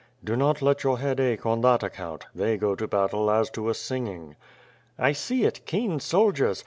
"Do not let your head ache on that account. They go to battle as to a singing." "I see it; keen soldiers.